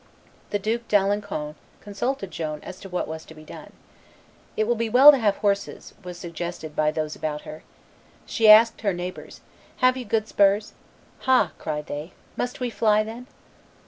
The Duke d'Alencon consulted Joan as to what was to be done. "It will be well to have horses," was suggested by those about her. She asked her neighbors, "Have you good spurs?" "Ha!" cried they, "must we fly, then?"